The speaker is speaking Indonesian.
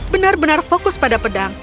benar benar fokus pada pedang